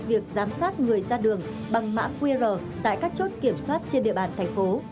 việc giám sát người ra đường bằng mã qr tại các chốt kiểm soát trên địa bàn thành phố